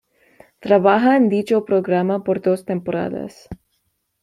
Trabaja en dicho programa por dos temporadas.